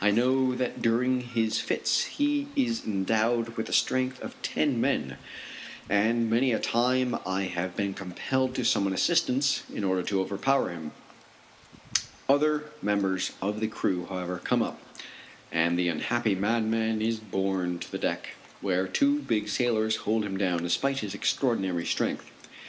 I know that during his fits he is endowed with the strength of ten men, and many a time I have been compelled to summon assistance in order to overpower him. Other members of the crew, however, come up, and the unhappy madman is borne to the deck, where two big sailors hold him down, despite his extraordinary strength.